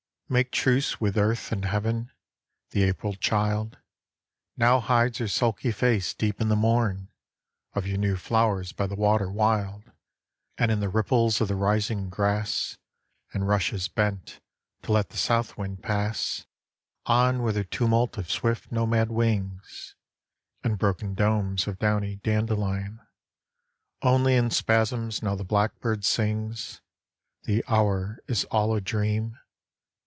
Make truce with* earth and heaven ; the April child Now hides her sulky face deep in the mom Of your new flowers by the water wild And in the ripples of the rising grass, And rushes bent to let the south wind pass On with her tumult of swift nomad wings, And broken domes of downy dandelion. Only in spasms now the blackbird sings. The hour is all a dream.